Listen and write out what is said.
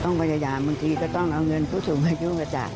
พยายามบางทีก็ต้องเอาเงินผู้สูงอายุมาจ่าย